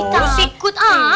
kita sikut ah